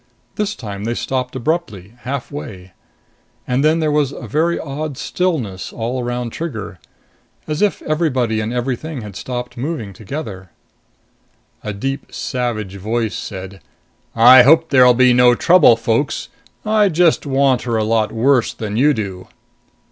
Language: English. This time, they stopped abruptly, halfway. And then there was a very odd stillness all around Trigger. As if everybody and everything had stopped moving together. A deep, savage voice said, "I hope there'll be no trouble, folks. I just want her a lot worse than you do."